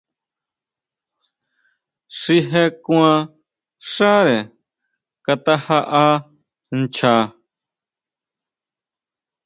Xi je kuan xáre Kata jaʼa ncha.